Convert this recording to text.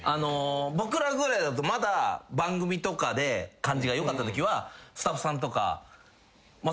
僕らぐらいだとまだ番組とかで感じが良かったときはスタッフさんとか「松尾さん」